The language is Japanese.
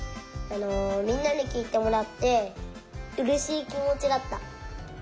みんなにきいてもらってうれしいきもちだった。